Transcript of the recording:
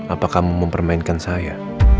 apa kamu mempermainkan saya